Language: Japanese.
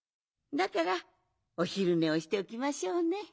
だからおひるねをしておきましょうね。